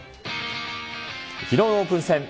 きのうのオープン戦。